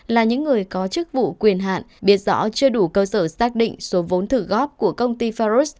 là những người có chức vụ quyền hạn biết rõ chưa đủ cơ sở xác định số vốn thử góp của công ty faros